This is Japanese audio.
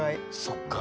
そっか。